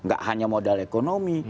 gak hanya modal ekonomi